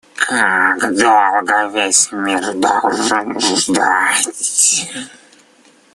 Как долго весь мир должен ждать?